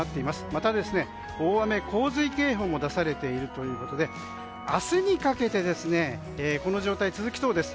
また、大雨・洪水警報も出されているということで明日にかけてこの状態が続きそうです。